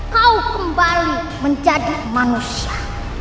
kau kembali menjadi manusia